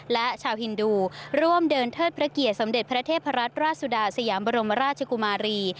และชาวฮินดูร่วมเดินเทิดพระเกียรติสมเด็จพระเทพรัตนราชสุดาสยามบรมราชกุมารี